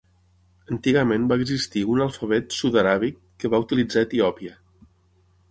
Antigament va existir un alfabet sud-aràbic, que va utilitzar Etiòpia.